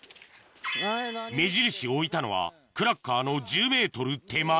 目印を置いたのはクラッカーの１０ｍ手前